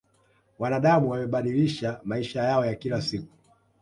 wanadam wamebadilisha maisha yao ya kila siku